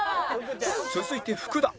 続いて福田